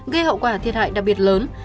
gây hậu quả thiệt hại đặc biệt lớn